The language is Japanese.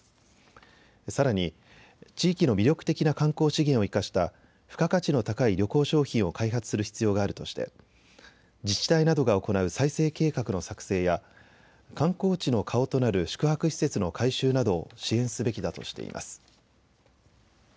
さらに地域の魅力的な観光資源を生かした付加価値の高い旅行商品を開発する必要があるとして自治体などが行う再生計画の作成や観光地の顔となる宿泊施設の改修などを支援すべきだとしています。